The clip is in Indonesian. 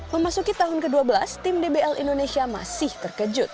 memasuki tahun ke dua belas tim dbl indonesia masih terkejut